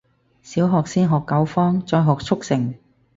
小學先學九方，再學速成